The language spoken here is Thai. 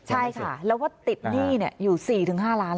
ใช่ค่ะแล้ววัดติดหนี้เนี่ยอยู่สี่ถึงห้าร้าน